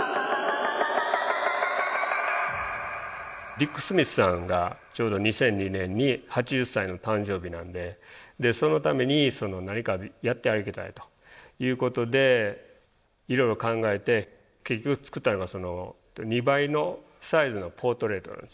ディック・スミスさんがちょうど２００２年に８０歳の誕生日なんでそのために何かやってあげたいということでいろいろ考えて結局作ったのが２倍のサイズのポートレートなんですね。